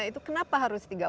itu kenapa harus tiga puluh